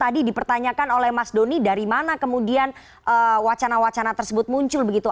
tadi dipertanyakan oleh mas doni dari mana kemudian wacana wacana tersebut muncul begitu